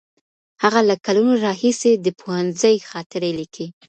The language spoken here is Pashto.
هغه له کلونو راهیسې د پوهنځي خاطرې لیکي.